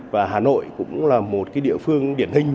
và hà nội cũng là một địa phương điển hình